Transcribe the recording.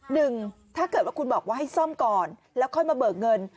หนึ่งถ้าเกิดว่าคุณบอกว่าให้ซ่อมก่อนแล้วค่อยมาเบิกเงิน